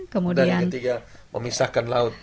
kemudian yang ketiga memisahkan laut